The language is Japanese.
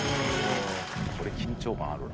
これ緊張感あるな。